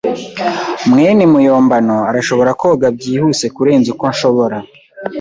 mwene muyombano arashobora koga byihuse kurenza uko nshobora.